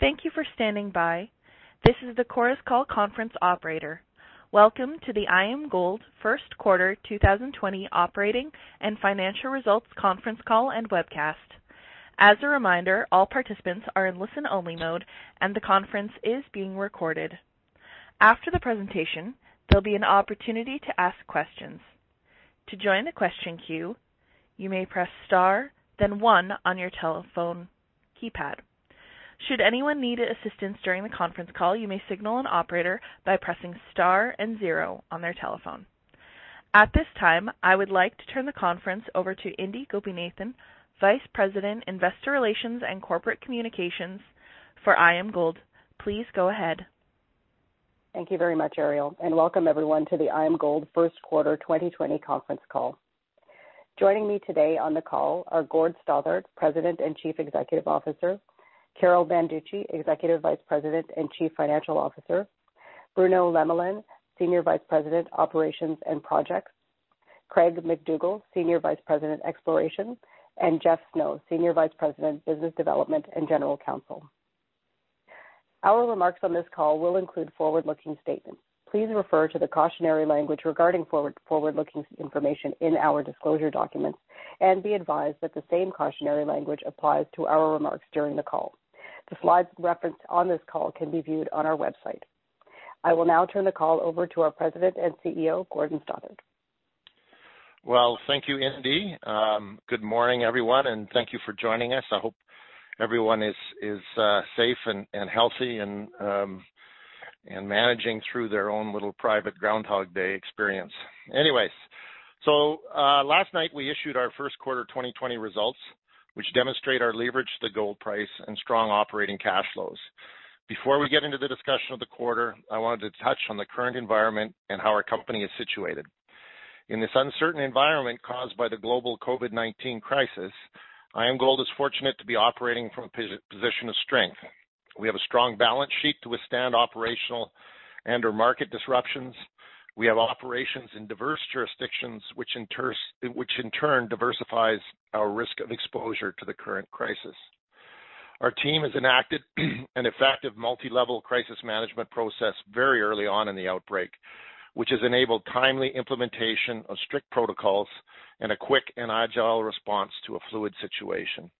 Thank you for standing by. This is the Chorus Call conference operator. Welcome to the IAMGOLD Q1 2020 Operating and Financial Results Conference Call and Webcast. As a reminder, all participants are in listen-only mode, and the conference is being recorded. After the presentation, there will be an opportunity to ask questions. To join the question queue, you may press *1 on your telephone keypad. Should anyone need assistance during the conference call, you may signal an operator by pressing *0 on their telephone. At this time, I would like to turn the conference over to Indi Gopinathan, Vice President, Investor Relations and Corporate Communications for IAMGOLD. Please go ahead. Thank you very much, Ariel, welcome everyone to the IAMGOLD Q1 2020 Conference Call. Joining me today on the call are Gord Stothart, President and Chief Executive Officer, Carol Banducci, Executive Vice President and Chief Financial Officer, Bruno Lemelin, Senior Vice President, Operations and Projects, Craig MacDougall, Senior Vice President, Exploration, and Jeffery Snow, Senior Vice President, Business Development and General Counsel. Our remarks on this call will include forward-looking statements. Please refer to the cautionary language regarding forward-looking information in our disclosure documents, and be advised that the same cautionary language applies to our remarks during the call. The slides referenced on this call can be viewed on our website. I will now turn the call over to our President and CEO, Gordon Stothart. Thank you, Indi. Good morning, everyone, and thank you for joining us. I hope everyone is safe and healthy and managing through their own little private Groundhog Day experience. Last night we issued our Q1 2020 results, which demonstrate our leverage to gold price and strong operating cash flows. Before we get into the discussion of the quarter, I wanted to touch on the current environment and how our company is situated. In this uncertain environment caused by the global COVID-19 crisis, IAMGOLD is fortunate to be operating from a position of strength. We have a strong balance sheet to withstand operational and/or market disruptions. We have operations in diverse jurisdictions, which in turn diversifies our risk of exposure to the current crisis. Our team has enacted an effective multilevel crisis management process very early on in the outbreak, which has enabled timely implementation of strict protocols and a quick and agile response to a fluid situation.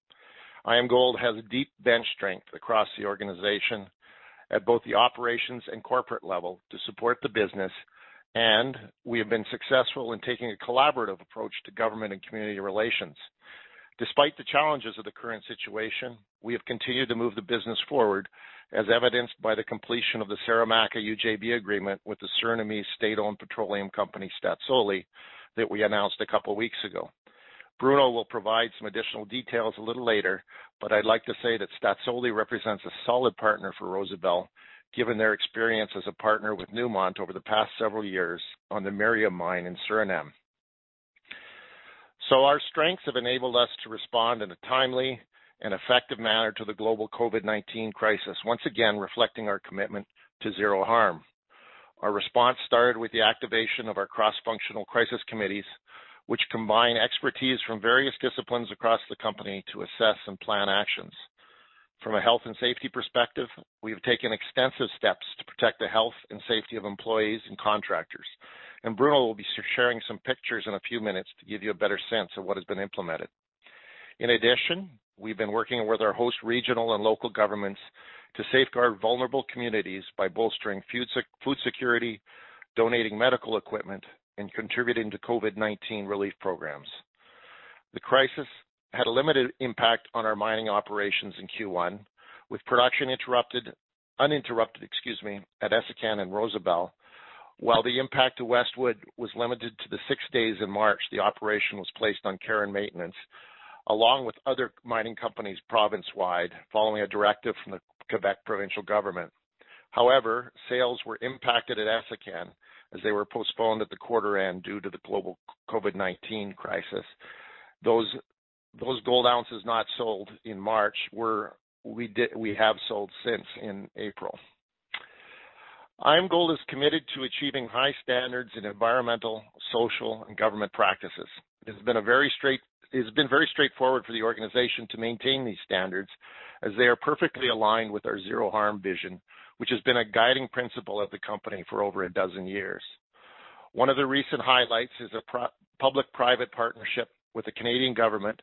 IAMGOLD has deep bench strength across the organization at both the operations and corporate level to support the business, and we have been successful in taking a collaborative approach to government and community relations. Despite the challenges of the current situation, we have continued to move the business forward, as evidenced by the completion of the Saramacca UJV agreement with the Surinamese state-owned petroleum company, Staatsolie, that we announced a couple of weeks ago. Bruno will provide some additional details a little later, but I'd like to say that Staatsolie represents a solid partner for Rosebel, given their experience as a partner with Newmont over the past several years on the Merian mine in Suriname. Our strengths have enabled us to respond in a timely and effective manner to the global COVID-19 crisis, once again, reflecting our commitment to zero harm. Our response started with the activation of our cross-functional crisis committees, which combine expertise from various disciplines across the company to assess and plan actions. From a health and safety perspective, we have taken extensive steps to protect the health and safety of employees and contractors, and Bruno will be sharing some pictures in a few minutes to give you a better sense of what has been implemented. In addition, we've been working with our host regional and local governments to safeguard vulnerable communities by bolstering food security, donating medical equipment, and contributing to COVID-19 relief programs. The crisis had a limited impact on our mining operations in Q1, with production uninterrupted at Essakane and Rosebel. While the impact to Westwood was limited to the six days in March, the operation was placed on care and maintenance, along with other mining companies province-wide, following a directive from the Quebec provincial government. Sales were impacted at Essakane as they were postponed at the quarter end due to the global COVID-19 crisis. Those gold ounces not sold in March, we have sold since in April. IAMGOLD is committed to achieving high standards in environmental, social, and government practices. It has been very straightforward for the organization to maintain these standards as they are perfectly aligned with our zero harm vision, which has been a guiding principle of the company for over a dozen years. One of the recent highlights is a public-private partnership with the Canadian government,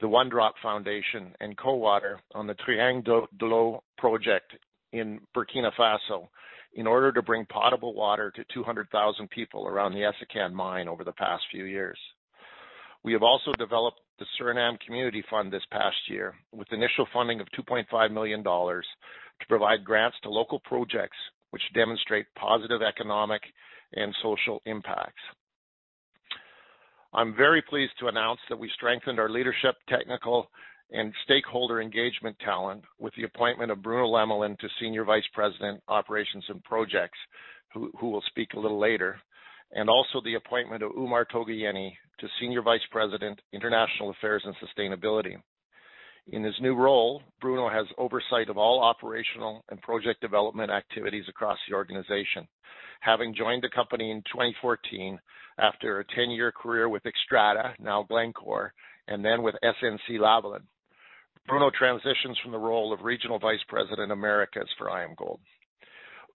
the One Drop Foundation, and Cowater on the Triangle d'eau project in Burkina Faso in order to bring potable water to 200,000 people around the Essakane mine over the past few years. We have also developed the Rosebel Community Fund this past year with initial funding of $2.5 million to provide grants to local projects which demonstrate positive economic and social impacts. I'm very pleased to announce that we strengthened our leadership, technical, and stakeholder engagement talent with the appointment of Bruno Lemelin to Senior Vice President, Operations and Projects, who will speak a little later, and also the appointment of Oumar Toguyeni to Senior Vice President, International Affairs and Sustainability. In his new role, Bruno has oversight of all operational and project development activities across the organization. Having joined the company in 2014 after a 10-year career with Xstrata, now Glencore, and then with SNC-Lavalin. Bruno transitions from the role of Regional Vice President, Americas for IAMGOLD.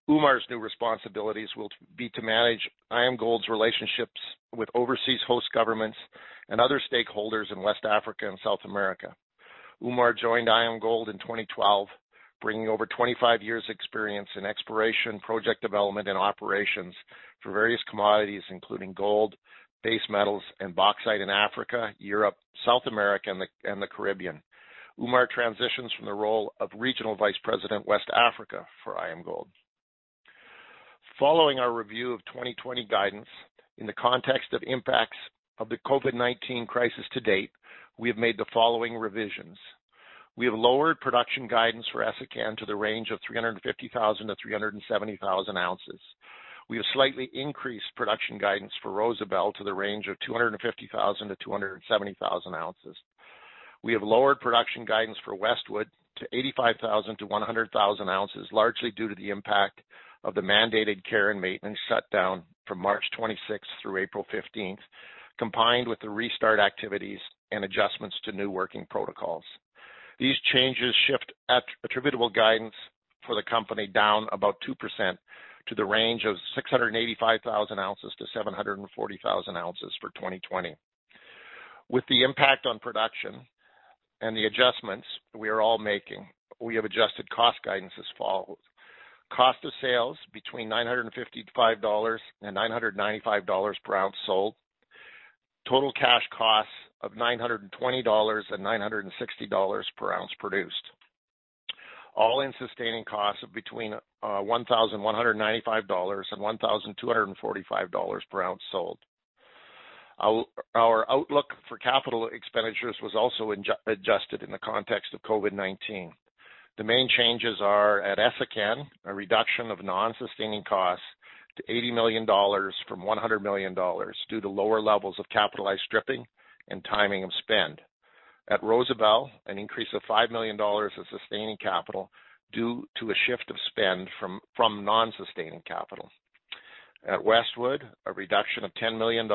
Oumar's new responsibilities will be to manage IAMGOLD's relationships with overseas host governments and other stakeholders in West Africa and South America. Oumar joined IAMGOLD in 2012, bringing over 25 years experience in exploration, project development, and operations for various commodities, including gold, base metals, and bauxite in Africa, Europe, South America, and the Caribbean. Oumar transitions from the role of Regional Vice President, West Africa for IAMGOLD. Following our review of 2020 guidance in the context of impacts of the COVID-19 crisis to date, we have made the following revisions. We have lowered production guidance for Essakane to the range of 350 koz-370 koz. We have slightly increased production guidance for Rosebel to the range of 250 koz-270 koz. We have lowered production guidance for Westwood to 85 koz-100 koz, largely due to the impact of the mandated care and maintenance shutdown from March 26th through April 15th, combined with the restart activities and adjustments to new working protocols. These changes shift attributable guidance for the company down about 2% to the range of 685 koz-740 koz for 2020. With the impact on production and the adjustments we are all making, we have adjusted cost guidance as follows. Cost of sales between $955 and $995 per ounce sold. Total cash costs of $920 and $960 per ounce produced. All-in Sustaining Costs of between $1,195 and $1,245 per ounce sold. Our outlook for capital expenditures was also adjusted in the context of COVID-19. The main changes are at Essakane, a reduction of non-sustaining costs to $80 million from $100 million due to lower levels of capitalized stripping and timing of spend. At Rosebel, an increase of $5 million of sustaining capital due to a shift of spend from non-sustaining capital. At Westwood, a reduction of $10 million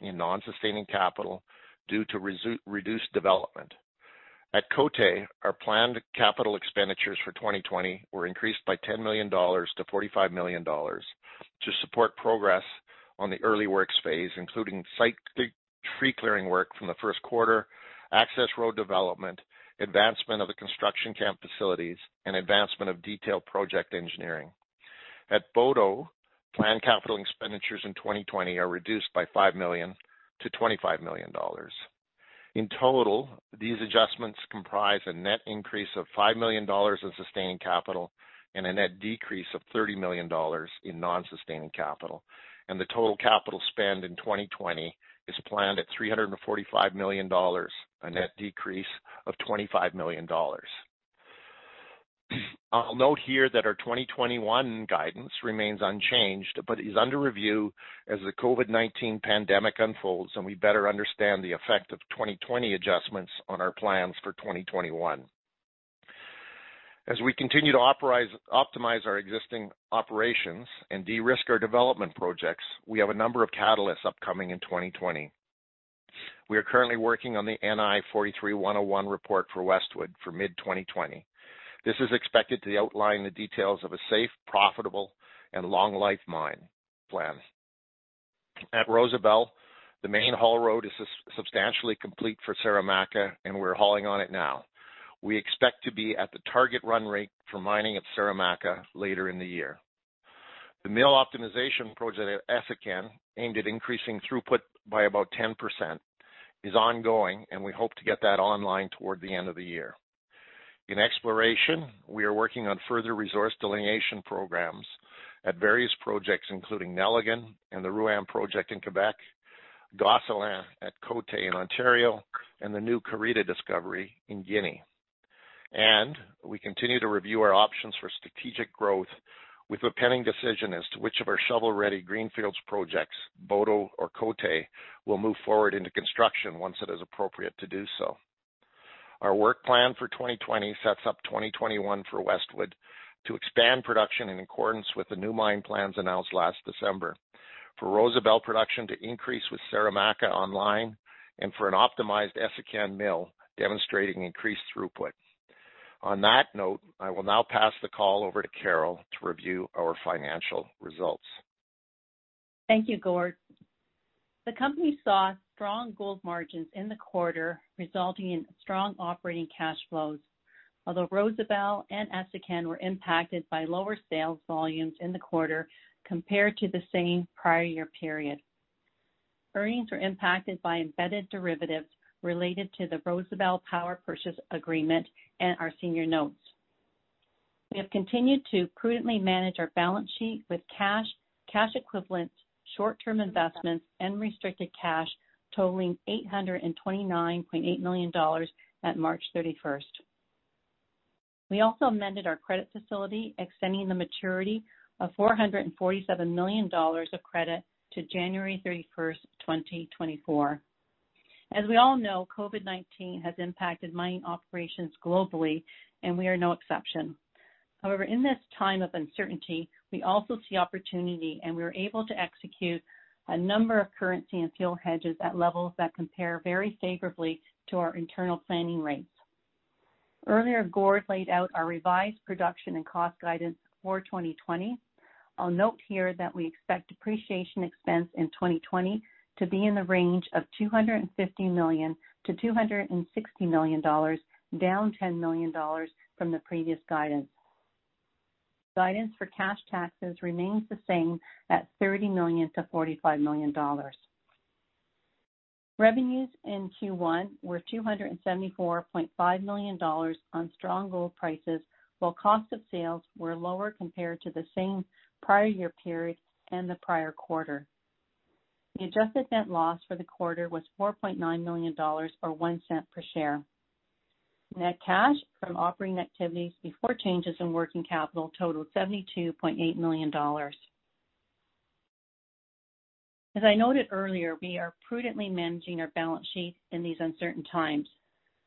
in non-sustaining capital due to reduced development. At Côté, our planned capital expenditures for 2020 were increased by $10 million to $45 million to support progress on the early works phase, including site tree clearing work from the Q1, access road development, advancement of the construction camp facilities, and advancement of detailed project engineering. At Boto, planned capital expenditures in 2020 are reduced by $5 million to $25 million. In total, these adjustments comprise a net increase of $5 million in sustaining capital and a net decrease of $30 million in non-sustaining capital, and the total capital spend in 2020 is planned at $345 million, a net decrease of $25 million. I'll note here that our 2021 guidance remains unchanged but is under review as the COVID-19 pandemic unfolds and we better understand the effect of 2020 adjustments on our plans for 2021. As we continue to optimize our existing operations and de-risk our development projects, we have a number of catalysts upcoming in 2020. We are currently working on the NI 43-101 report for Westwood for mid-2020. This is expected to outline the details of a safe, profitable, and long life mine plan. At Rosebel, the main haul road is substantially complete for Saramacca, and we're hauling on it now. We expect to be at the target run rate for mining at Saramacca later in the year. The mill optimization project at Essakane, aimed at increasing throughput by about 10%, is ongoing. We hope to get that online toward the end of the year. In exploration, we are working on further resource delineation programs at various projects, including Nelligan and the Rouyn project in Quebec, Gosselin at Côté in Ontario, and the new Karita discovery in Guinea. We continue to review our options for strategic growth with a pending decision as to which of our shovel-ready greenfields projects, Boto or Côté, will move forward into construction once it is appropriate to do so. Our work plan for 2020 sets up 2021 for Westwood to expand production in accordance with the new mine plans announced last December, for Rosebel production to increase with Saramacca online, and for an optimized Essakane mill demonstrating increased throughput. On that note, I will now pass the call over to Carol to review our financial results. Thank you, Gord. The company saw strong gold margins in the quarter, resulting in strong operating cash flows. Although Rosebel and Essakane were impacted by lower sales volumes in the quarter compared to the same prior year period. Earnings were impacted by embedded derivatives related to the Rosebel power purchase agreement and our senior notes. We have continued to prudently manage our balance sheet with cash equivalents, short-term investments, and restricted cash totaling $829.8 million at March 31st. We also amended our credit facility, extending the maturity of $447 million of credit to January 31st, 2024. As we all know, COVID-19 has impacted mining operations globally, and we are no exception. However, in this time of uncertainty, we also see opportunity, and we were able to execute a number of currency and fuel hedges at levels that compare very favorably to our internal planning rates. Earlier, Gord laid out our revised production and cost guidance for 2020. I'll note here that we expect depreciation expense in 2020 to be in the range of $250 million-$260 million, down $10 million from the previous guidance. Guidance for cash taxes remains the same at $30 million-$45 million. Revenues in Q1 were $274.5 million on strong gold prices while cost of sales were lower compared to the same prior year period and the prior quarter. The adjusted net loss for the quarter was $4.9 million or $0.01 per share. Net cash from operating activities before changes in working capital totaled $72.8 million. As I noted earlier, we are prudently managing our balance sheet in these uncertain times.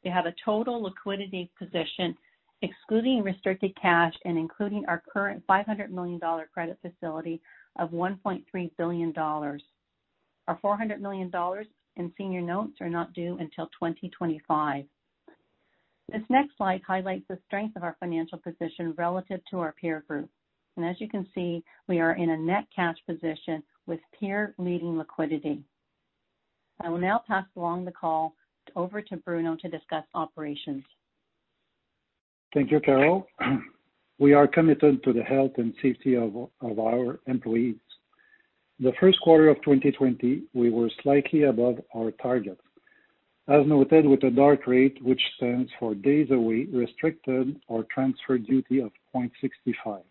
We have a total liquidity position, excluding restricted cash and including our current $500 million credit facility, of $1.3 billion. Our $400 million in senior notes are not due until 2025. This next slide highlights the strength of our financial position relative to our peer group. As you can see, we are in a net cash position with peer-leading liquidity. I will now pass along the call over to Bruno to discuss operations. Thank you, Carol. We are committed to the health and safety of our employees. The Q1 of 2020, we were slightly above our targets. As noted with the DART rate, which stands for Days Away Restricted or Transferred Duty of 0.65.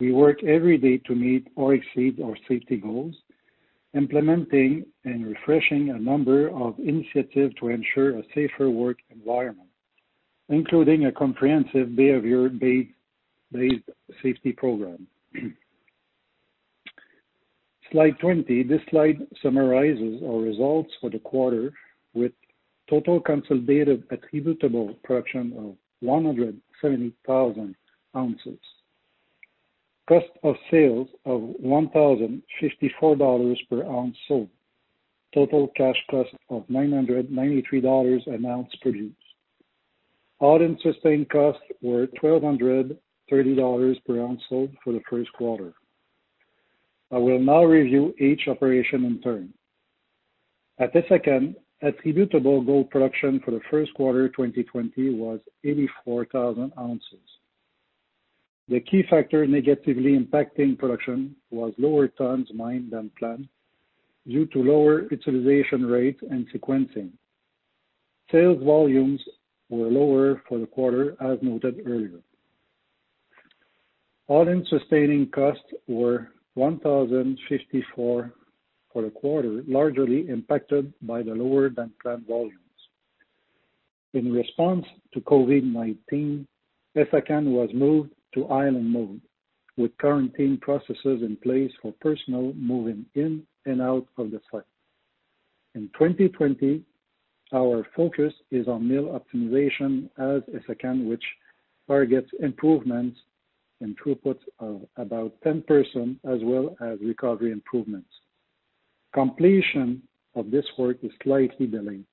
We work every day to meet or exceed our safety goals, implementing and refreshing a number of initiatives to ensure a safer work environment, including a comprehensive behavior-based safety program. Slide 20. This slide summarizes our results for the quarter with total consolidated attributable production of 170 koz. Cost of sales of $1,054 per ounce sold. Total cash cost of $993 an ounce produced. All-in sustaining costs were $1,030 per ounce sold for the Q1. I will now review each operation in turn. At Essakane, attributable gold production for the Q1 2020 was 84 koz. The key factor negatively impacting production was lower tons mined than planned due to lower utilization rate and sequencing. Sales volumes were lower for the quarter as noted earlier. All-in sustaining costs were $1,054 for the quarter, largely impacted by the lower than planned volumes. In response to COVID-19, Essakane was moved to island mode, with quarantine processes in place for personnel moving in and out of the site. In 2020, our focus is on mill optimization at Essakane, which targets improvements in throughput of about 10% as well as recovery improvements. Completion of this work is slightly delayed,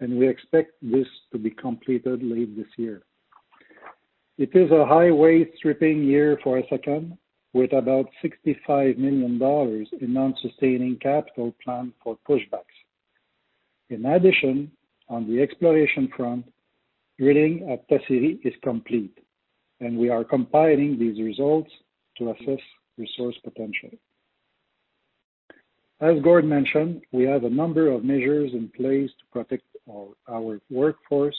and we expect this to be completed late this year. It is a highway stripping year for Essakane, with about $65 million in non-sustaining capital planned for pushbacks. In addition, on the exploration front, drilling at Tajiri is complete, and we are compiling these results to assess resource potential. As Gord mentioned, we have a number of measures in place to protect our workforce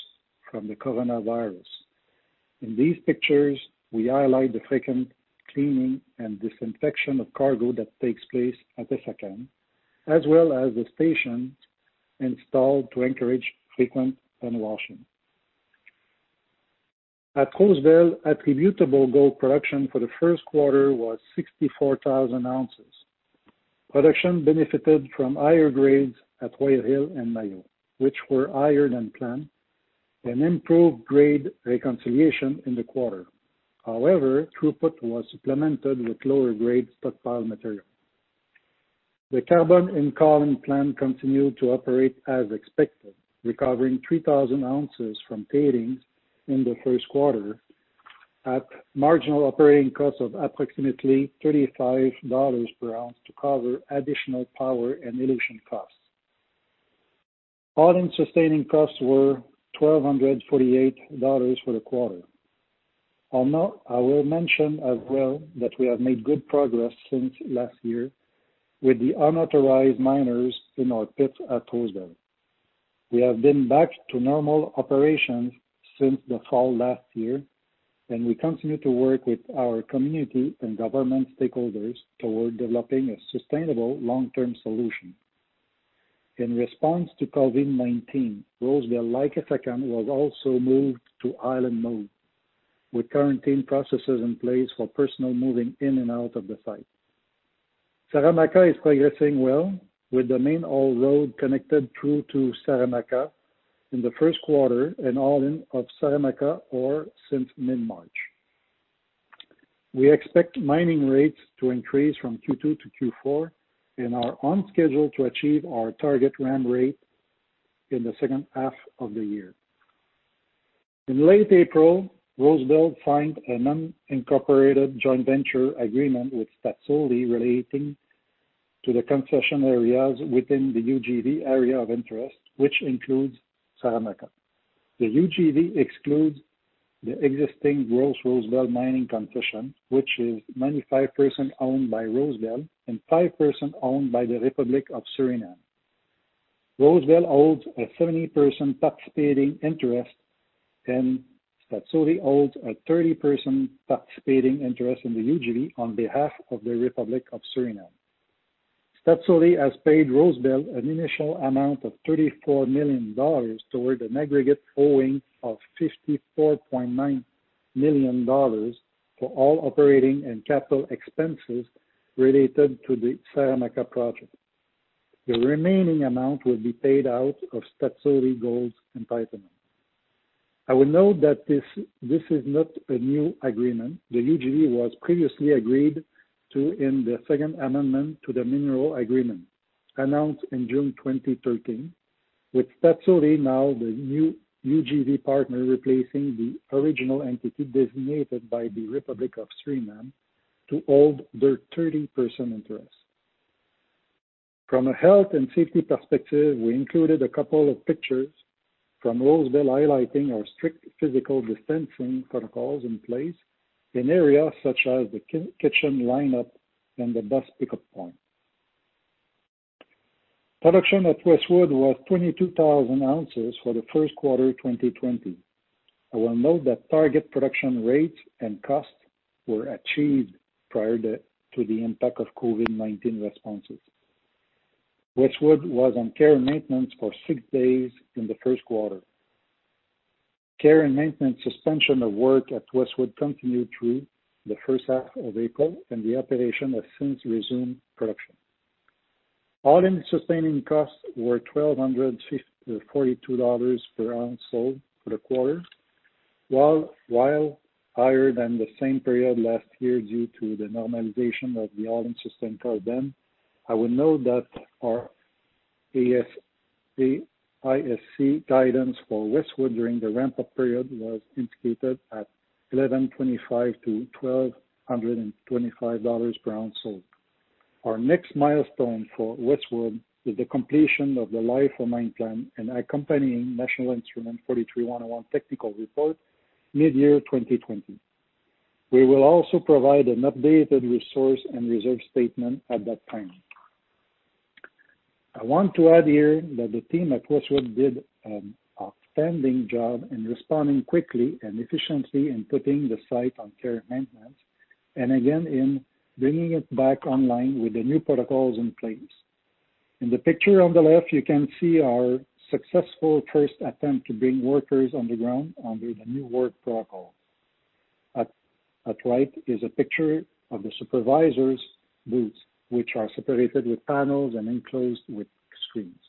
from the coronavirus. In these pictures, we highlight the frequent cleaning and disinfection of cargo that takes place at Essakane, as well as the stations installed to encourage frequent handwashing. At Rosebel, attributable gold production for the Q1 was 64 koz. Production benefited from higher grades at Whale Hill and Mayo, which were higher than planned, and improved grade reconciliation in the quarter. However, throughput was supplemented with lower-grade stockpile material. The carbon-in-column plan continued to operate as expected, recovering 3 koz from tailings in the Q1 at marginal operating costs of approximately $35 per ounce to cover additional power and elution costs. All-in-sustaining costs were $1,248 for the quarter. I will mention as well that we have made good progress since last year with the unauthorized miners in our pit at Rosebel. We have been back to normal operations since the fall last year, and we continue to work with our community and government stakeholders toward developing a sustainable long-term solution. In response to COVID-19, Rosebel, like Essakane, was also moved to island mode with quarantine processes in place for personnel moving in and out of the site. Saramacca is progressing well, with the main haul road connected through to Saramacca in the Q1 and hauling of Saramacca ore since mid-March. We expect mining rates to increase from Q2 to Q4 and are on schedule to achieve our target ramp rate in the second half of the year. In late April, Rosebel signed a non-incorporated joint venture agreement with Staatsolie relating to the concession areas within the UJV area of interest, which includes Saramacca. The UJV excludes the existing Rosebel mining concession, which is 95% owned by Rosebel and 5% owned by the Republic of Suriname. Rosebel holds a 70% participating interest, and Staatsolie holds a 30% participating interest in the UJV on behalf of the Republic of Suriname. Staatsolie has paid Rosebel an initial amount of $34 million toward an aggregate owing of $54.9 million for all operating and capital expenses related to the Saramacca project. The remaining amount will be paid out of Staatsolie Gold's entitlement. I will note that this is not a new agreement. The UJV was previously agreed to in the second amendment to the Mineral Agreement, announced in June 2013, with Staatsolie now the new UJV partner, replacing the original entity designated by the Republic of Suriname to hold their 30% interest. From a health and safety perspective, we included a couple of pictures from Rosebel highlighting our strict physical distancing protocols in place in areas such as the kitchen lineup and the bus pickup point. Production at Westwood was 22 koz for the Q1 2020. I will note that target production rates and costs were achieved prior to the impact of COVID-19 responses. Westwood was on care and maintenance for six days in the Q1. Care and maintenance suspension of work at Westwood continued through the first half of April, and the operation has since resumed production. All-in sustaining costs were $1,242 per ounce sold for the quarter. While higher than the same period last year due to the normalization of the all-in sustain cost then, I will note that our AISC guidance for Westwood during the ramp-up period was indicated at $1,125-$1,225 per ounce sold. Our next milestone for Westwood is the completion of the life of mine plan and accompanying National Instrument 43-101 technical report mid-year 2020. We will also provide an updated resource and reserve statement at that time. I want to add here that the team at Westwood did an outstanding job in responding quickly and efficiently in putting the site on care and maintenance, and again, in bringing it back online with the new protocols in place. In the picture on the left, you can see our successful first attempt to bring workers on the ground under the new work protocol. At right is a picture of the supervisors' booths, which are separated with panels and enclosed with screens.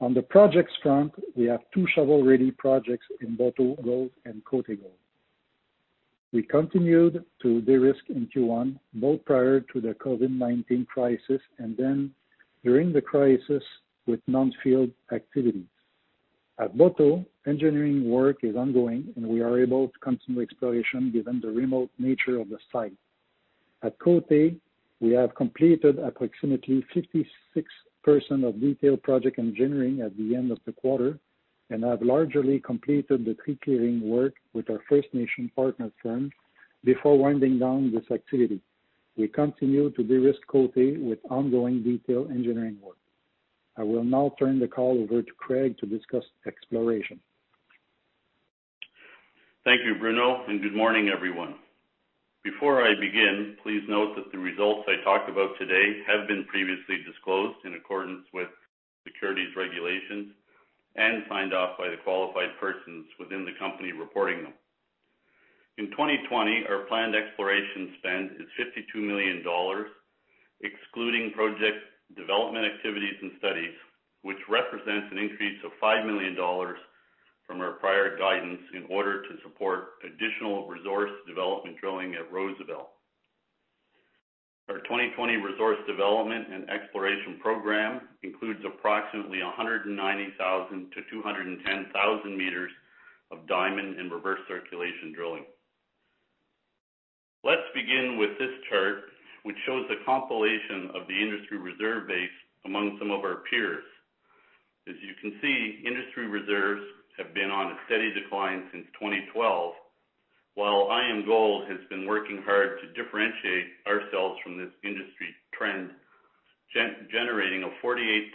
On the projects front, we have two shovel-ready projects in Boto Gold and Côté Gold. We continued to de-risk in Q1, both prior to the COVID-19 crisis and then during the crisis with non-field activities. At Boto, engineering work is ongoing, and we are able to continue exploration given the remote nature of the site. At Côté, we have completed approximately 56% of detailed project engineering at the end of the quarter and have largely completed the tree clearing work with our First Nation partner firm before winding down this activity. We continue to de-risk Côté with ongoing detailed engineering work. I will now turn the call over to Craig to discuss exploration. Thank you, Bruno, and good morning, everyone. Before I begin, please note that the results I talk about today have been previously disclosed in accordance with securities regulations and signed off by the qualified persons within the company reporting them. In 2020, our planned exploration spend is $52 million, excluding project development activities and studies, which represents an increase of $5 million from our prior guidance in order to support additional resource development drilling at Rosebel. Our 2020 resource development and exploration program includes approximately 190,000-210,000 m of diamond and reverse circulation drilling. Let's begin with this chart, which shows the compilation of the industry reserve base among some of our peers. As you can see, industry reserves have been on a steady decline since 2012, while IAMGOLD has been working hard to differentiate ourselves from this industry trend, generating a 48%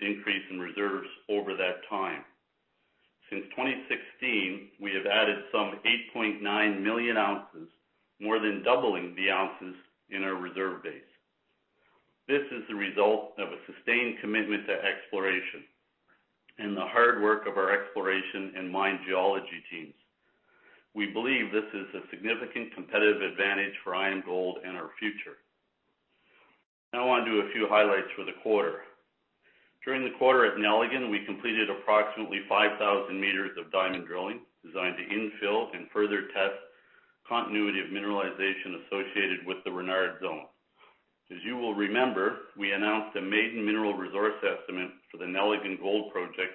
increase in reserves over that time. Since 2016, we have added some 8.9 Moz, more than doubling the ounces in our reserve base. This is the result of a sustained commitment to exploration and the hard work of our exploration and mine geology teams. We believe this is a significant competitive advantage for IAMGOLD and our future. I want to do a few highlights for the quarter. During the quarter at Nelligan, we completed approximately 5,000 m of diamond drilling designed to infill and further test continuity of mineralization associated with the Renard Zone. As you will remember, we announced a maiden mineral resource estimate for the Nelligan Gold project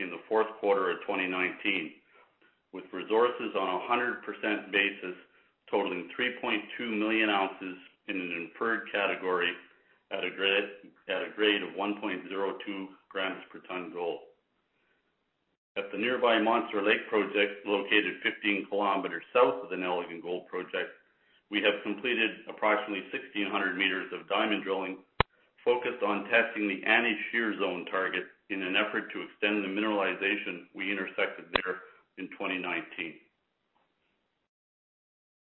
in the Q4 of 2019, with resources on 100% basis totaling 3.2 million ounces in an inferred category at a grade of 1.02 g/t gold. At the nearby Monster Lake project, located 15 km south of the Nelligan Gold project, we have completed approximately 1,600 m of diamond drilling focused on testing the Annie Shear Zone target in an effort to extend the mineralization we intersected there in 2019.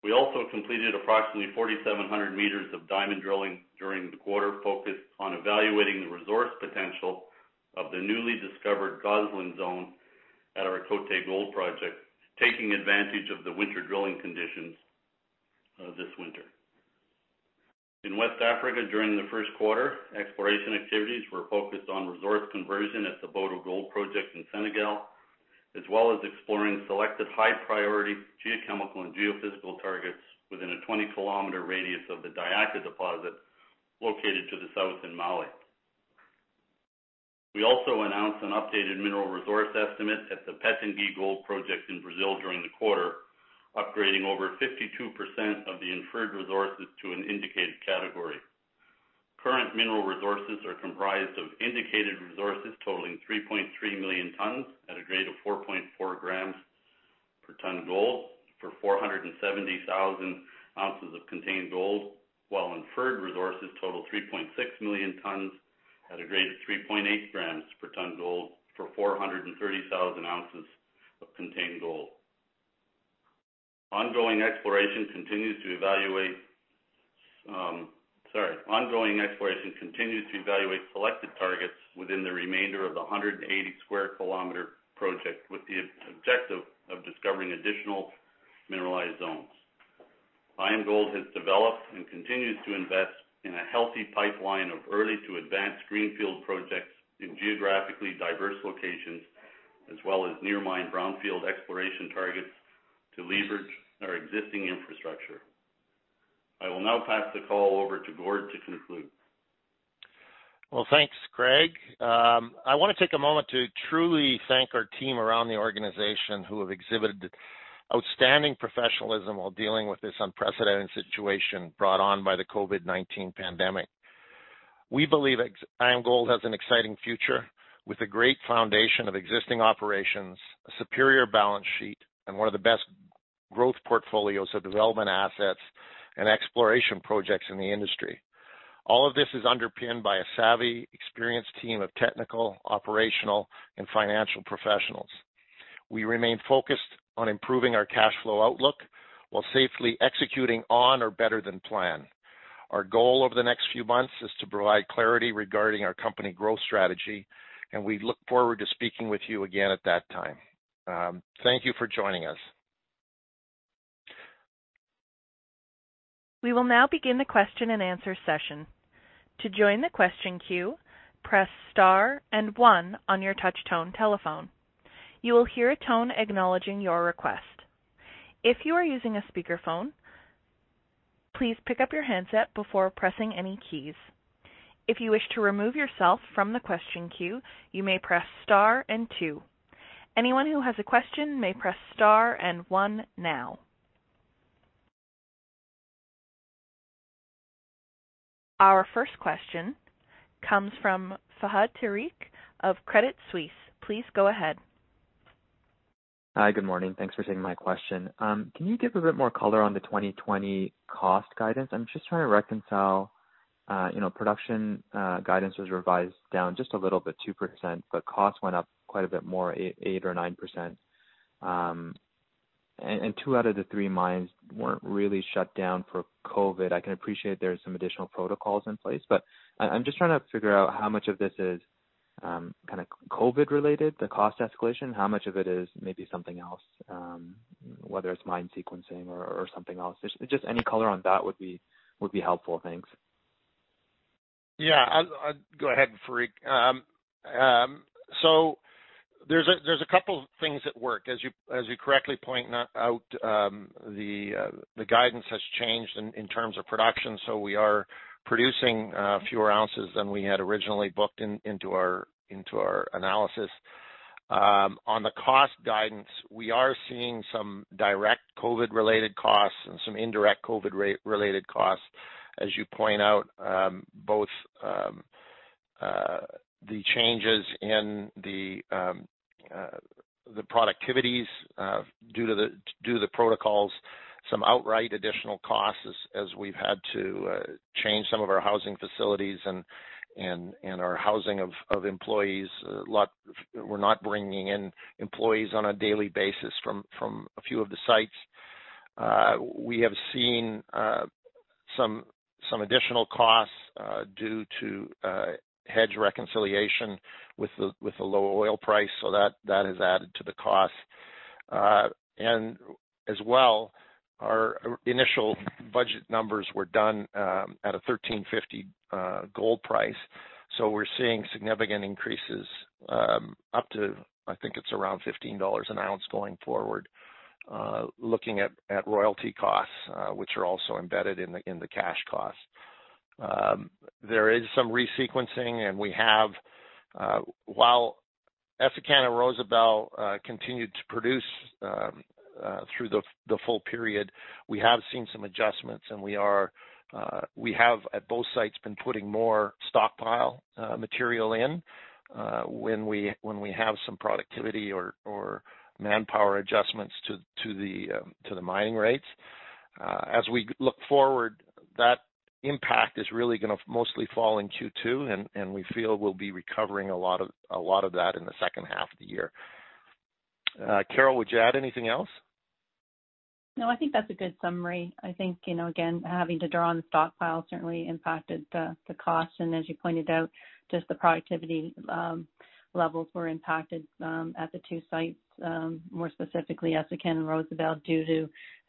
We also completed approximately 4,700 m of diamond drilling during the quarter, focused on evaluating the resource potential of the newly discovered Gosselin Zone at our Côté Gold project, taking advantage of the winter drilling conditions this winter. In West Africa during the Q1, exploration activities were focused on resource conversion at the Boto Gold Project in Senegal, as well as exploring selected high-priority geochemical and geophysical targets within a 20 km radius of the Diakha deposit located to the south in Mali. We also announced an updated mineral resource estimate at the Pitangui Gold project in Brazil during the quarter, upgrading over 52% of the inferred resources to an indicated category. Current mineral resources are comprised of indicated resources totaling 3.3 Mt at a grade of 4.4 g/t gold for 470 koz of contained gold, while inferred resources total 3.6 Mt at a grade of 3.8 g/t gold for 430 koz of contained gold. Ongoing exploration continues to evaluate selected targets within the remainder of the 180 sq km project, with the objective of discovering additional mineralized zones. IAMGOLD has developed and continues to invest in a healthy pipeline of early to advanced greenfield projects in geographically diverse locations, as well as near mine brownfield exploration targets to leverage our existing infrastructure. I will now pass the call over to Gord to conclude. Well, thanks, Craig. I want to take a moment to truly thank our team around the organization who have exhibited outstanding professionalism while dealing with this unprecedented situation brought on by the COVID-19 pandemic. We believe IAMGOLD has an exciting future with a great foundation of existing operations, a superior balance sheet, and one of the best growth portfolios of development assets and exploration projects in the industry. All of this is underpinned by a savvy, experienced team of technical, operational, and financial professionals. We remain focused on improving our cash flow outlook while safely executing on or better than plan. Our goal over the next few months is to provide clarity regarding our company growth strategy, and we look forward to speaking with you again at that time. Thank you for joining us. We will now begin the question-and-answer session. To join the question queue, press *1 on your touch tone telephone. You will hear a tone acknowledging your request. If you are using a speakerphone, please pick up your handset before pressing any keys. If you wish to remove yourself from the question queue, you may press *2. Anyone who has a question may press *1 now. Our first question comes from Fahad Tariq of Credit Suisse. Please go ahead. Hi. Good morning. Thanks for taking my question. Can you give a bit more color on the 2020 cost guidance? I'm just trying to reconcile production guidance was revised down just a little bit, 2%, but costs went up quite a bit more, 8% or 9%. Two out of the three mines weren't really shut down for COVID. I can appreciate there's some additional protocols in place, but I'm just trying to figure out how much of this is kind of COVID related, the cost escalation, how much of it is maybe something else, whether it's mine sequencing or something else. Just any color on that would be helpful. Thanks. Yeah. I'll go ahead, Tariq. There's a couple things at work. As you correctly point out, the guidance has changed in terms of production, so we are producing fewer ounces than we had originally booked into our analysis. On the cost guidance, we are seeing some direct COVID-related costs and some indirect COVID-related costs. As you point out, both the changes in the productivities due to the protocols, some outright additional costs as we've had to change some of our housing facilities and our housing of employees. We're not bringing in employees on a daily basis from a few of the sites. We have seen some additional costs due to hedge reconciliation with the low oil price, so that has added to the cost. As well, our initial budget numbers were done at a $1,350 gold price. We're seeing significant increases up to, I think it's around $15 an ounce going forward, looking at royalty costs, which are also embedded in the cash costs. There is some re-sequencing, and while Essakane and Rosebel continued to produce through the full period, we have seen some adjustments, and we have, at both sites, been putting more stockpile material in when we have some productivity or manpower adjustments to the mining rates. As we look forward, that impact is really going to mostly fall in Q2, and we feel we'll be recovering a lot of that in the second half of the year. Carol, would you add anything else? No, I think that's a good summary. I think, again, having to draw on the stockpile certainly impacted the cost. As you pointed out, just the productivity levels were impacted at the two sites, more specifically Essakane and Rosebel, due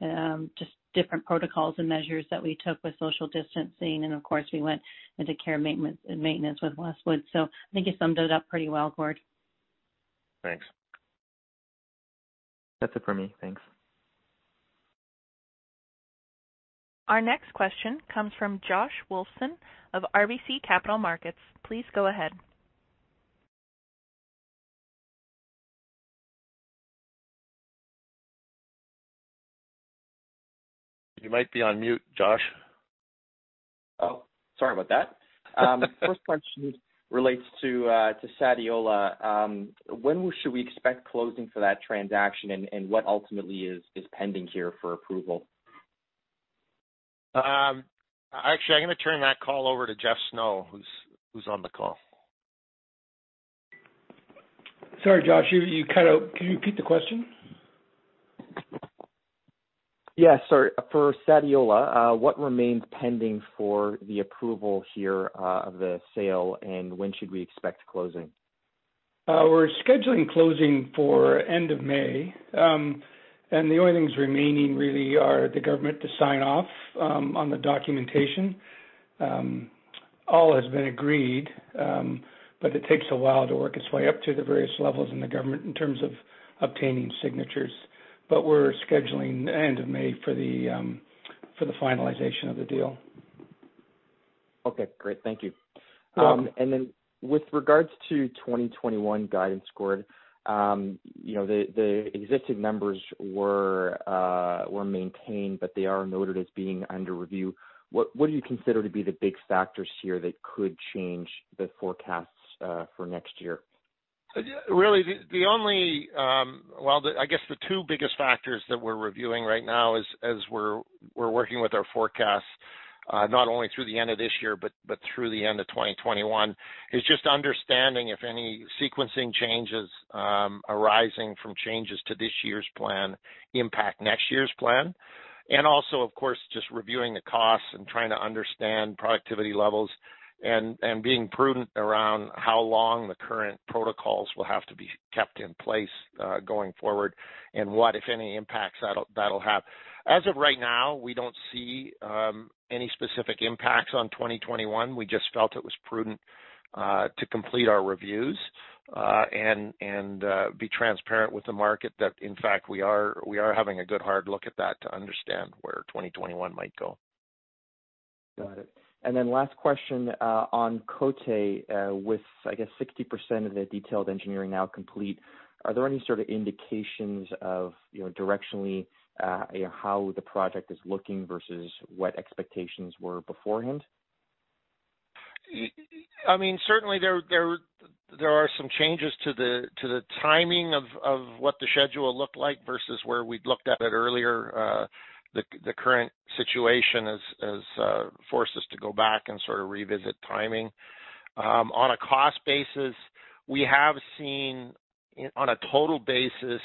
to just different protocols and measures that we took with social distancing. Of course, we went into care and maintenance with Westwood. I think you summed it up pretty well, Gord. Thanks. That's it for me. Thanks. Our next question comes from Josh Wolfson of RBC Capital Markets. Please go ahead. You might be on mute, Josh. Oh, sorry about that. First question relates to Sadiola. When should we expect closing for that transaction, and what ultimately is pending here for approval? Actually, I'm going to turn that call over to Jeffery Snow, who's on the call. Sorry, Josh, can you repeat the question? Yes, sorry. For Sadiola, what remains pending for the approval here of the sale, and when should we expect closing? We're scheduling closing for end of May. The only things remaining really are the government to sign off on the documentation. All has been agreed, but it takes a while to work its way up to the various levels in the government in terms of obtaining signatures. We're scheduling end of May for the finalization of the deal. Okay, great. Thank you. With regards to 2021 guidance, Gord, the existing numbers were maintained, but they are noted as being under review. What do you consider to be the big factors here that could change the forecasts for next year? Really, I guess the two biggest factors that we're reviewing right now as we're working with our forecasts, not only through the end of this year but through the end of 2021, is just understanding if any sequencing changes arising from changes to this year's plan impact next year's plan. Also, of course, just reviewing the costs and trying to understand productivity levels and being prudent around how long the current protocols will have to be kept in place going forward and what, if any, impacts that'll have. As of right now, we don't see any specific impacts on 2021. We just felt it was prudent to complete our reviews and be transparent with the market that in fact, we are having a good hard look at that to understand where 2021 might go. Got it. Last question on Côté. With, I guess, 60% of the detailed engineering now complete, are there any sort of indications of directionally how the project is looking versus what expectations were beforehand? Certainly, there are some changes to the timing of what the schedule looked like versus where we'd looked at it earlier. The current situation has forced us to go back and sort of revisit timing. On a cost basis, we have seen on a total basis,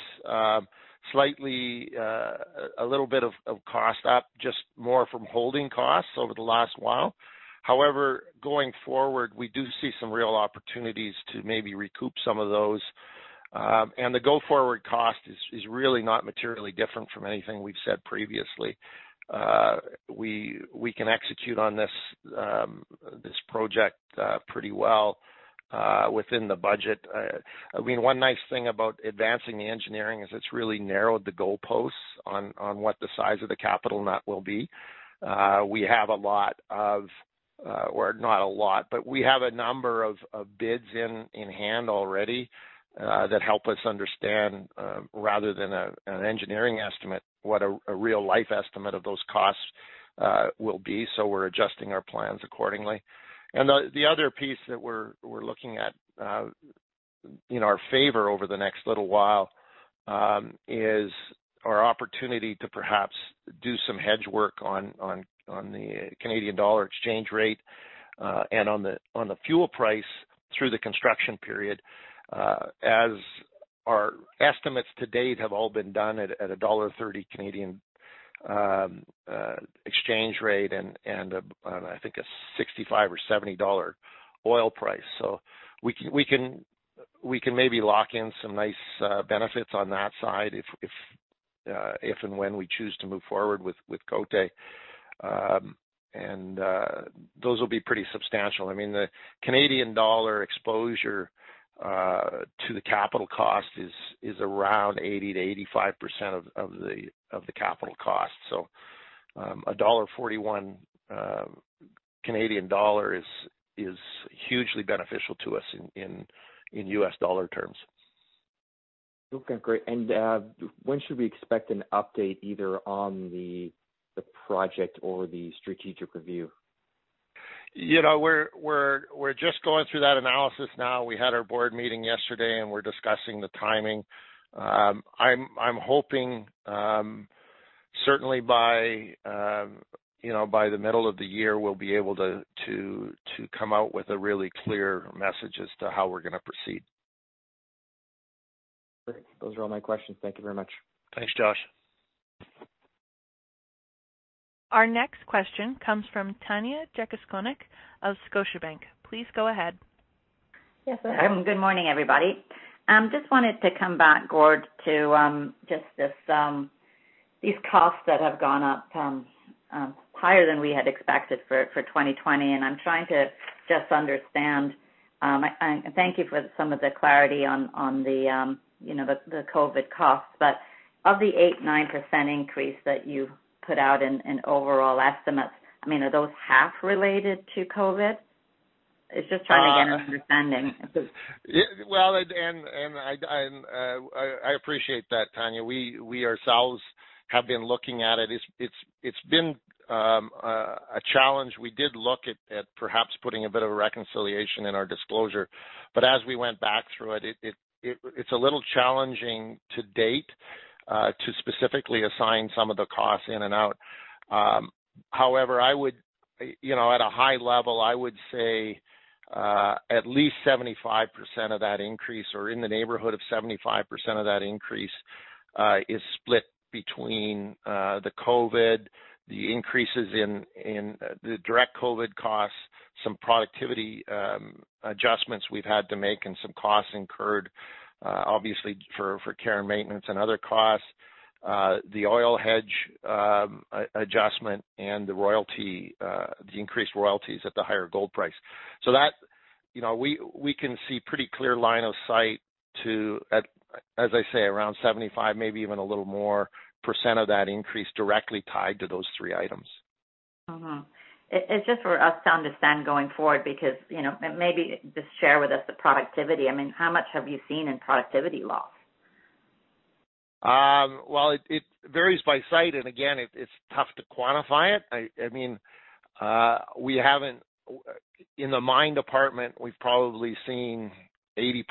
slightly a little bit of cost up, just more from holding costs over the last while. However, going forward, we do see some real opportunities to maybe recoup some of those. The go-forward cost is really not materially different from anything we've said previously. We can execute on this project pretty well within the budget. One nice thing about advancing the engineering is it's really narrowed the goalposts on what the size of the capital net will be. We have a lot of, or not a lot, but we have a number of bids in hand already that help us understand, rather than an engineering estimate, what a real-life estimate of those costs will be. We're adjusting our plans accordingly. The other piece that we're looking at in our favor over the next little while, is our opportunity to perhaps do some hedge work on the Canadian dollar exchange rate, and on the fuel price through the construction period. As our estimates to date have all been done at dollar 1.30 Canadian exchange rate and, I think, a $65 or $70 oil price. We can maybe lock in some nice benefits on that side if and when we choose to move forward with Côté. Those will be pretty substantial. I mean, the Canadian dollar exposure to the capital cost is around 80%-85% of the capital cost. 1.41 Canadian dollar is hugely beneficial to us in U.S. dollar terms. Okay, great. When should we expect an update either on the project or the strategic review? We're just going through that analysis now. We had our board meeting yesterday, and we're discussing the timing. I'm hoping, certainly by the middle of the year, we'll be able to come out with a really clear message as to how we're going to proceed. Great. Those are all my questions. Thank you very much. Thanks, Josh. Our next question comes from Tanya Jakusconek of Scotiabank. Please go ahead. Yes. Good morning, everybody. Just wanted to come back, Gord, to just these costs that have gone up higher than we had expected for 2020. I'm trying to just understand. Thank you for some of the clarity on the COVID costs, but of the 8%, 9% increase that you put out in overall estimates, I mean, are those half related to COVID? It's just trying to get an understanding. Well, I appreciate that, Tanya. We ourselves have been looking at it. It's been a challenge. We did look at perhaps putting a bit of a reconciliation in our disclosure, but as we went back through it's a little challenging to date to specifically assign some of the costs in and out. However, at a high level, I would say at least 75% of that increase or in the neighborhood of 75% of that increase is split between the COVID, the increases in the direct COVID costs, some productivity adjustments we've had to make, and some costs incurred, obviously, for care and maintenance and other costs, the oil hedge adjustment, and the increased royalties at the higher gold price. That, we can see pretty clear line of sight to, as I say, around 75%, maybe even a little more, of that increase directly tied to those three items. It's just for us to understand going forward because maybe just share with us the productivity. I mean, how much have you seen in productivity loss? Well, it varies by site and again, it's tough to quantify it. I mean, in the mine department, we've probably seen 80%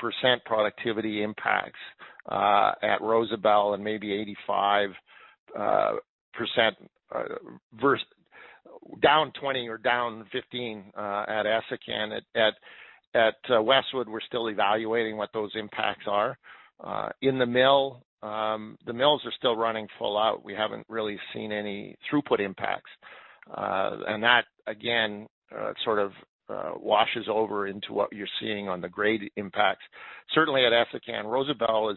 productivity impacts at Rosebel and maybe 85% versus down 20% or down 15% at Essakane. At Westwood, we're still evaluating what those impacts are. In the mill, the mills are still running full out. We haven't really seen any throughput impacts. That again, sort of washes over into what you're seeing on the grade impacts. Certainly at Essakane, Rosebel,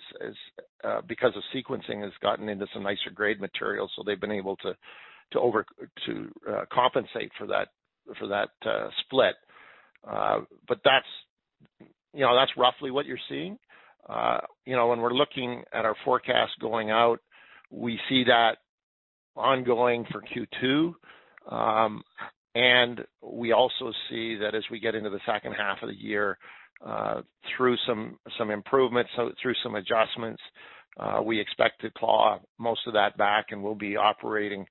because of sequencing, has gotten into some nicer grade materials, so they've been able to compensate for that split. That's roughly what you're seeing. When we're looking at our forecast going out, we see that ongoing for Q2. We also see that as we get into the second half of the year, through some improvements, through some adjustments, we expect to claw most of that back and we'll be operating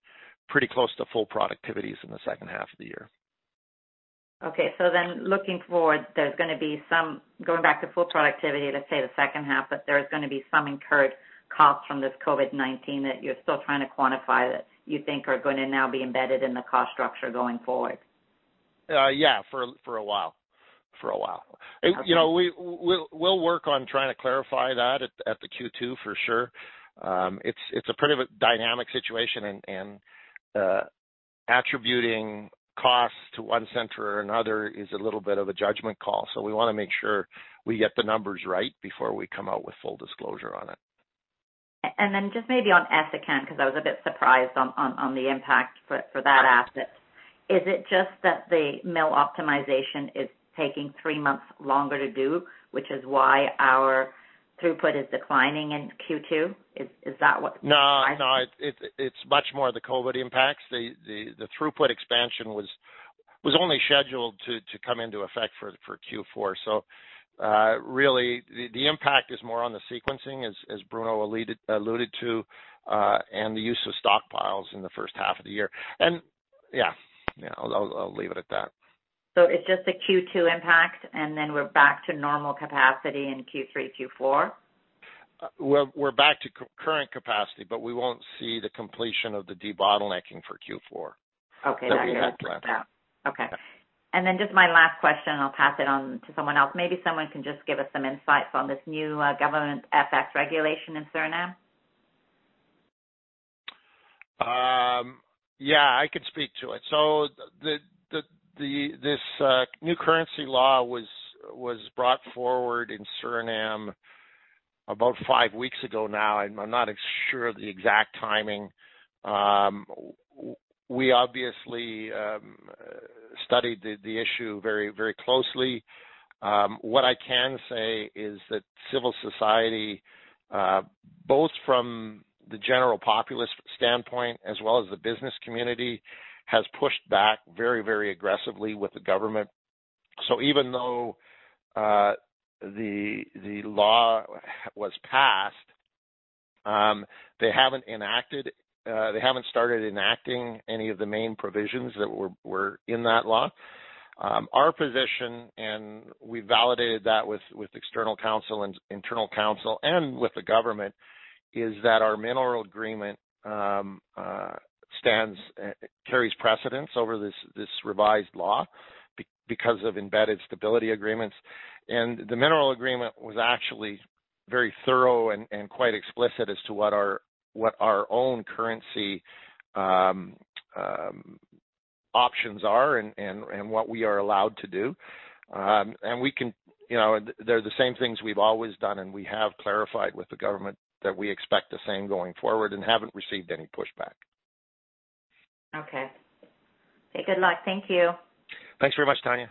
pretty close to full productivities in the second half of the year. Okay, looking forward, there's going to be some, going back to full productivity, let's say the second half, but there is going to be some incurred costs from this COVID-19 that you're still trying to quantify that you think are going to now be embedded in the cost structure going forward. Yeah, for a while. Okay. We'll work on trying to clarify that at the Q2 for sure. It's a pretty dynamic situation and attributing costs to one center or another is a little bit of a judgment call. We want to make sure we get the numbers right before we come out with full disclosure on it. Just maybe on Essakane, because I was a bit surprised on the impact for that asset. Is it just that the mill optimization is taking three months longer to do, which is why our throughput is declining in Q2? No. It's much more the COVID-19 impacts. The throughput expansion was only scheduled to come into effect for Q4. Really, the impact is more on the sequencing as Bruno alluded to, and the use of stockpiles in the first half of the year. Yeah. I'll leave it at that. It's just a Q2 impact, and then we're back to normal capacity in Q3, Q4? We're back to current capacity, but we won't see the completion of the debottlenecking for Q4. Okay. Got you. That we had planned. Okay. Then just my last question, I'll pass it on to someone else. Maybe someone can just give us some insights on this new government FX regulation in Suriname. Yeah, I could speak to it. This new currency law was brought forward in Suriname about five weeks ago now. I'm not sure of the exact timing. We obviously studied the issue very closely. What I can say is that civil society, both from the general populace standpoint as well as the business community, has pushed back very aggressively with the government. Even though the law was passed, they haven't started enacting any of the main provisions that were in that law. Our position, and we validated that with external counsel and internal counsel and with the government, is that our Mineral Agreement carries precedence over this revised law because of embedded stability agreements. The Mineral Agreement was actually very thorough and quite explicit as to what our own currency options are and what we are allowed to do. They're the same things we've always done, and we have clarified with the government that we expect the same going forward and haven't received any pushback. Okay. Good luck. Thank you. Thanks very much, Tanya.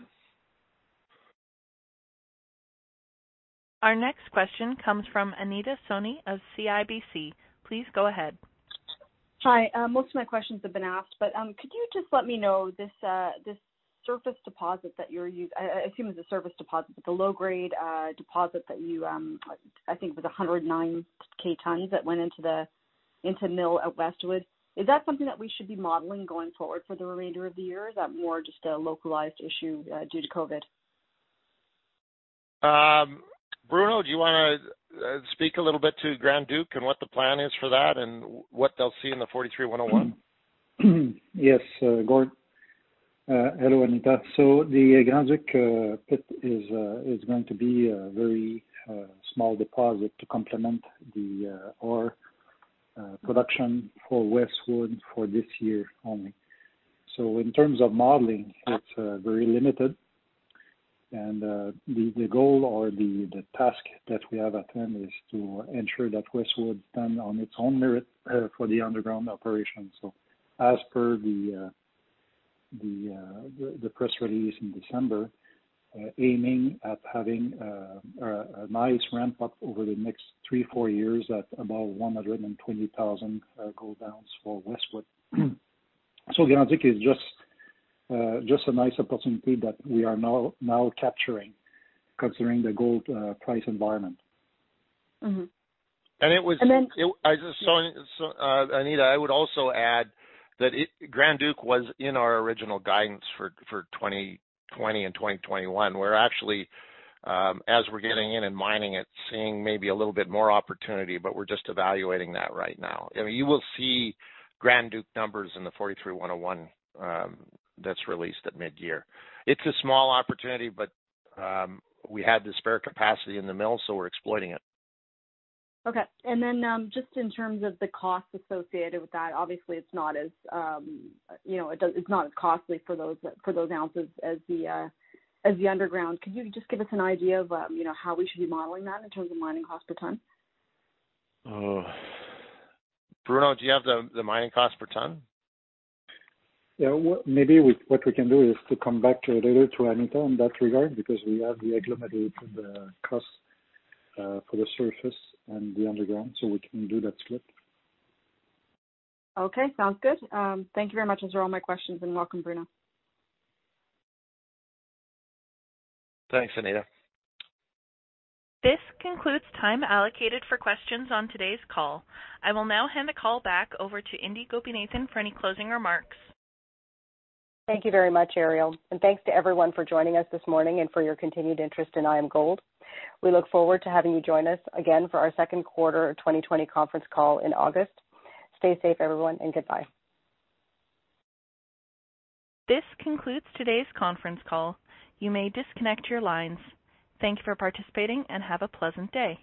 Our next question comes from Anita Soni of CIBC. Please go ahead. Hi, most of my questions have been asked. Could you just let me know this surface deposit that I assume it's a surface deposit, but the low-grade deposit that you, I think it was 109 kt that went into mill at Westwood. Is that something that we should be modeling going forward for the remainder of the year, or is that more just a localized issue due to COVID? Bruno, do you want to speak a little bit to Grand Duke and what the plan is for that and what they'll see in the 43-101? Yes, Gord. Hello, Anita. The Grand Duke pit is going to be a very small deposit to complement the ore production for Westwood for this year only. In terms of modeling, it's very limited. The goal or the task that we have at hand is to ensure that Westwood stand on its own merit for the underground operation. As per the press release in December, aiming at having a nice ramp up over the next three, four years at about 120 koz gold for Westwood. Grand Duke is just a nice opportunity that we are now capturing considering the gold price environment. Anita, I would also add that Grand Duke was in our original guidance for 2020 and 2021. As we're getting in and mining it, seeing maybe a little bit more opportunity, but we're just evaluating that right now. You will see Grand Duke numbers in the 43-101 that's released at mid-year. It's a small opportunity, but we had the spare capacity in the mill, so we're exploiting it. Okay. Just in terms of the cost associated with that, obviously it's not as costly for those ounces as the underground. Could you just give us an idea of how we should be modeling that in terms of mining cost per ton? Bruno, do you have the mining cost per ton? Yeah. Maybe what we can do is to come back later to Anita in that regard because we have the agglomerated cost for the surface and the underground. We can do that split. Okay, sounds good. Thank you very much. Those are all my questions, and welcome, Bruno. Thanks, Anita. This concludes time allocated for questions on today's call. I will now hand the call back over to Indi Gopinathan for any closing remarks. Thank you very much, Ariel, and thanks to everyone for joining us this morning and for your continued interest in IAMGOLD. We look forward to having you join us again for our Q2 2020 conference call in August. Stay safe, everyone, and goodbye. This concludes today's conference call. You may disconnect your lines. Thank you for participating and have a pleasant day.